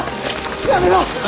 やめろ！